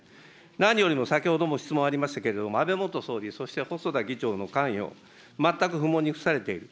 何よりも先ほども質問ありましたけれども、安倍元総理、そして細田議長の関与、全く不問に付されている。